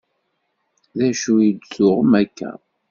D acu i d-tuɣem akka?